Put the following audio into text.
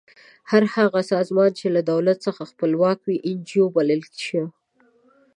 هر هغه سازمان چې له دولت څخه خپلواک وي انجو بللی شو.